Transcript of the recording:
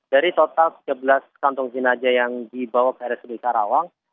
dari total tiga belas kantong jenajah yang dibawa ke rsud karawang